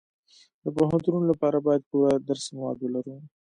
د پوهنتونونو لپاره باید پوره درسي مواد ولرو